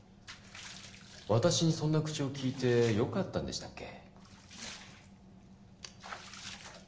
私にそんな口を利いてよかったんでしたっけ？